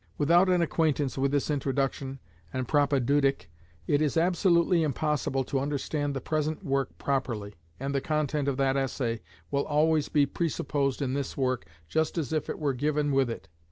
Without an acquaintance with this introduction and propadeutic it is absolutely impossible to understand the present work properly, and the content of that essay will always be presupposed in this work just as if it were given with it.